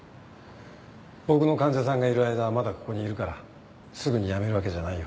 僕の患者さんがいる間はまだここにいるからすぐに辞めるわけじゃないよ。